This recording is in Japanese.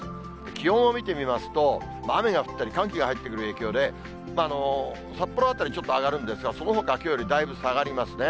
気温を見てみますと、雨が降ったり、寒気が入ってくる影響で、札幌辺りちょっと上がるんですが、そのほか、きょうよりだいぶ下がりますね。